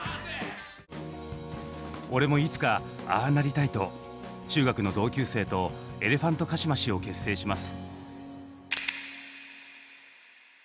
俺もいつかああなりたいと中学の同級生とエレファントカシマシを結成します。